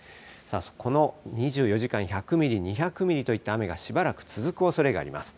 この２４時間、１００ミリ、２００ミリといった雨がしばらく続くおそれがあります。